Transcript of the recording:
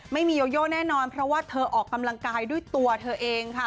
ไม่มีโยโยแน่นอนเพราะว่าเธอออกกำลังกายด้วยตัวเธอเองค่ะ